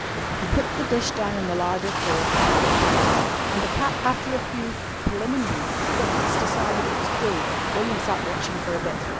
He put the dish down on the larder floor before the cat, and the cat, after a few preliminary licks, decided that it was good. William sat watching for a bit.